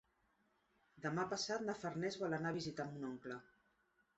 Demà passat na Farners vol anar a visitar mon oncle.